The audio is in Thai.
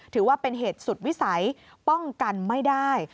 ถือว่าเป็นเหตุสุดวิสัยป้องกันไม่ได้